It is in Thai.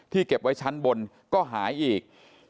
เก็บไว้ชั้นบนก็หายอีก